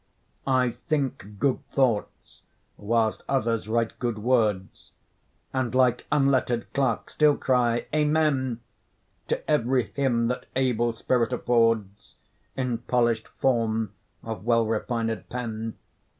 I think good thoughts, whilst others write good words, And like unlettered clerk still cry 'Amen' To every hymn that able spirit affords, In polish'd form of well refined pen.